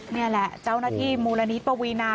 นี่แหละเจ้าหน้าที่มูลนิธิปวีนา